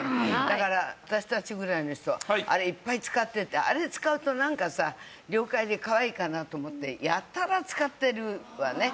だから私たちぐらいの人はあれいっぱい使っててあれ使うとなんかさ「了解」でかわいいかなと思ってやたら使ってるわね